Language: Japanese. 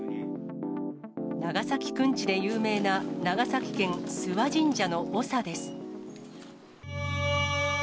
長崎くんちで有名な長崎県諏訪神社の長です。